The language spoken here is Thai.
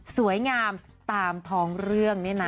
สวยงามตามท้องเรื่องเนี่ยนะ